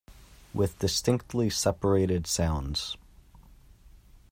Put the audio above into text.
With distinctly separated sounds.